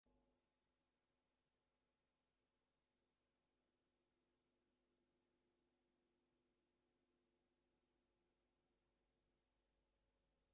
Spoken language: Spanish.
Este le habla de los agentes franceses que están siendo asesinados.